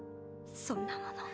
そんなもの。